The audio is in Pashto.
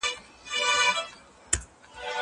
زه کولای سم زده کړه وکړم!